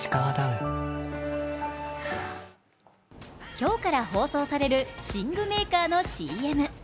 今日から放送される寝具メーカーのＣＭ。